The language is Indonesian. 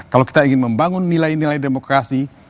kalau kita ingin membangun nilai nilai demokrasi